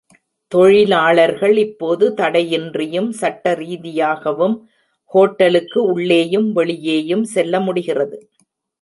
தொழிலாளர்கள் இப்போது தடையின்றியும், சட்ட ரீதியாகவும் ஹோட்டலுக்கு உள்ளேயும் வெளியேயும் செல்ல முடிகிறது.